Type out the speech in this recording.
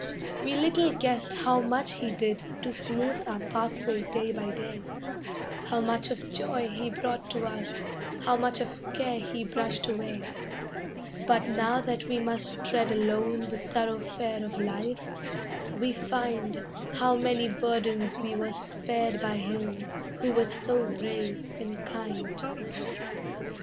We little guessed how much he did to smooth our pathway day by day, How much of joy he brought to us, how much of care he brushed away; But now that we must tread alone the thoroughfare of life, we find How many burdens we were spared by him who was so brave and kind.